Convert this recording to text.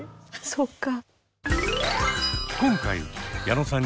そっか。